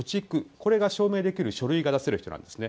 これが証明できる書類がある人なんですね。